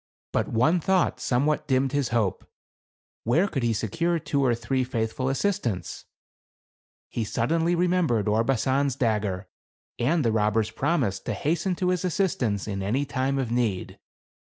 But one thought somewhat dimmed his hope ; where could he secure two or three faithful assistants ? He suddenly remembered Orbasan's dagger, and the robber's promise to hasten to his assistance in any time of need.